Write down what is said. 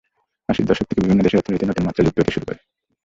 আশির দশক থেকে বিভিন্ন দেশের অর্থনীতিতে নতুন মাত্রা যুক্ত হতে শুরু করে।